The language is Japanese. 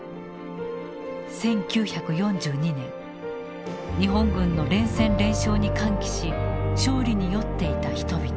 １９４２年日本軍の連戦連勝に歓喜し勝利に酔っていた人々。